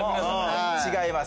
違います。